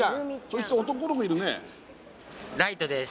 そして男の子いるね礼都です